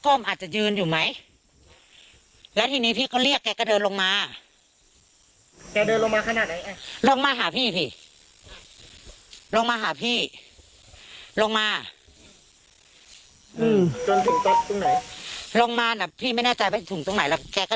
ก็ใกล้กันไม่คุย